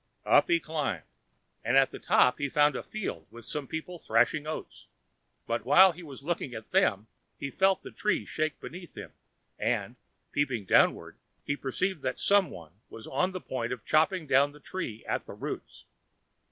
Up he climbed, and at the top he found a field with some people thrashing oats; but while he was looking at them he felt the tree shake beneath him, and, peeping downward, he perceived that some one was on the point of chopping down the tree at the roots.